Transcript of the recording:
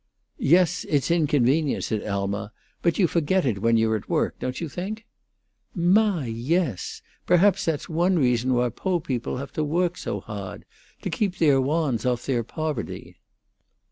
"Yes, it's inconvenient," said Alma; "but you forget it when you're at work, don't you think?" "Mah, yes! Perhaps that's one reason why poo' people have to woak so hawd to keep their mands off their poverty."